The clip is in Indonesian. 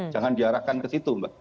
jangan diarahkan ke situ mbak